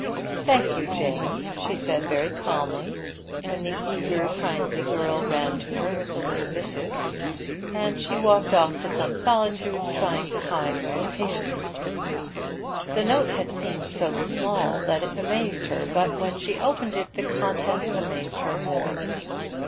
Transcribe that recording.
"Thank you, Jane," she said, very calmly, when the eager, kindly girl ran to her with the little missive; and she walked off to some solitude, trying to hide her impatience. The note had seemed so small that it amazed her; but when she opened it the contents amazed her more.